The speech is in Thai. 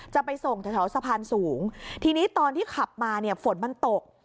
จะไปส่งแถวสะพานสูงทีนี้ตอนที่ขับมาเนี่ยฝนมันตก